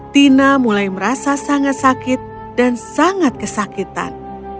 tina mulai merasa sangat sakit dan sangat kesakitan